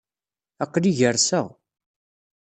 Aql-i gerseɣ.